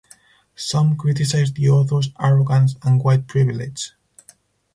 Some criticized the author's "arrogance" and "white privilege.